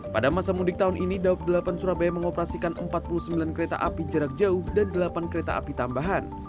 pada masa mudik tahun ini daup delapan surabaya mengoperasikan empat puluh sembilan kereta api jarak jauh dan delapan kereta api tambahan